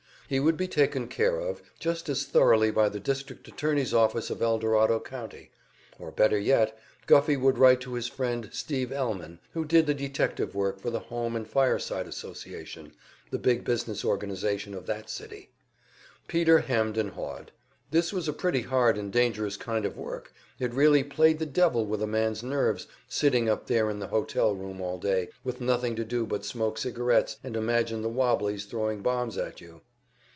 He would be taken care of just as thoroughly by the district attorney's office of Eldorado County; or better yet, Guffey would write to his friend Steve Ellman, who did the detective work for the Home and Fireside Association, the big business organization of that city. Peter hemmed and hawed. This was a pretty hard and dangerous kind of work, it really played the devil with a man's nerves, sitting up there in the hotel room all day, with nothing to do but smoke cigarettes and imagine the "wobblies" throwing bombs at you.